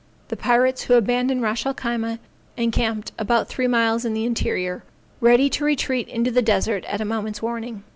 The pirates who abandoned Ras el Khyma, encamped about three miles in the interior, ready to retreat into the desert at a moment's warning.